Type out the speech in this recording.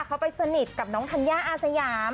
เขาไปสนิทกับน้องธัญญาอาสยาม